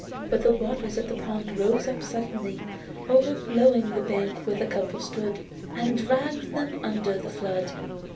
But the waters of the pond rose up suddenly, overflowed the bank where the couple stood, and dragged them under the flood.